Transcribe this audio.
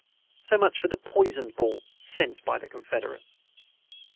So much for the poisoned ball "sent by the Confederates."